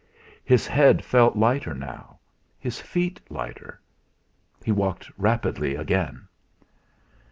His head felt lighter now, his feet lighter; he walked rapidly again.